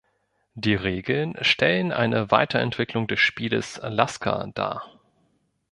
Die Regeln stellen eine Weiterentwicklung des Spieles "Laska" dar.